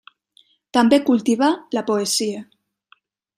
També cultivà la poesia.